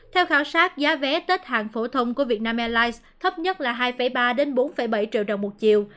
theo khảo sát giá vé tết hạng phổ thông của việt nam airlines thấp nhất là hai ba bốn bảy triệu đồng một triệu